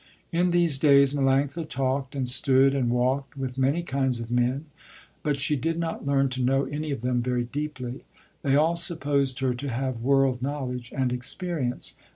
In these days Melanctha talked and stood and walked with many kinds of men, but she did not learn to know any of them very deeply. They all supposed her to have world knowledge and experience.